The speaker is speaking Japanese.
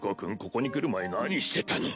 ここに来る前何してたの？